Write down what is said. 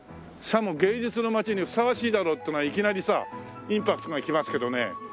さも芸術の街にふさわしいだろうっていうのがいきなりさインパクトがきますけどね。